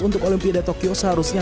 untuk olimpia de tokyo seharusnya